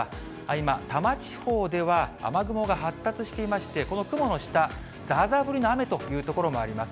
今、多摩地方では、雨雲が発達していまして、この雲の下、ざーざー降りの雨という所もあります。